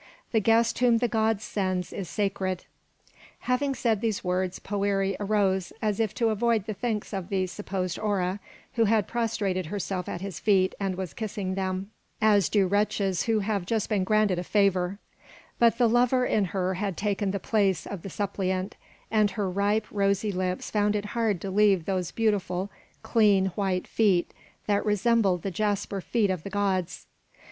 The guest whom the gods send is sacred." Having said these words, Poëri arose, as if to avoid the thanks of the supposed Hora, who had prostrated herself at his feet and was kissing them, as do wretches who have just been granted a favour; but the lover in her had taken the place of the suppliant, and her ripe, rosy lips found it hard to leave those beautiful, clean, white feet that resembled the jasper feet of the gods.